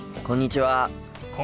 こんにちは。